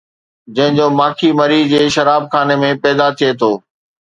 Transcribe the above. جنهن جو ماکي مري جي شراب خاني ۾ پيدا ٿئي ٿو.